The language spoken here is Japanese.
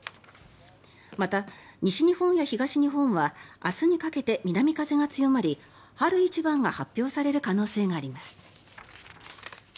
また西日本や東日本は明日にかけて南風が強まり春一番が発表される可能性があります。